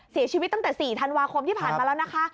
เสียชีวิตตั้งแต่๔ธันวาคมที่ผ่านมาแล้วนะคะ